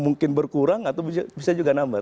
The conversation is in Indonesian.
mungkin berkurang atau bisa juga nambah